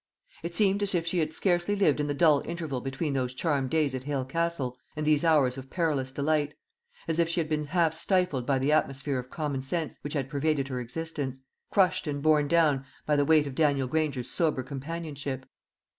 It seemed as if she had scarcely lived in the dull interval between those charmed days at Hale Castle and these hours of perilous delight; as if she had been half stifled by the atmosphere of common sense which had pervaded her existence crushed and borne down by the weight of Daniel Granger's sober companionship.